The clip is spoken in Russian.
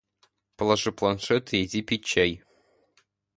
Положи планшет и иди пить чай